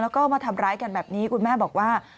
แล้วก็มาทำร้ายกันแบบนี้คุณแม่บอกว่า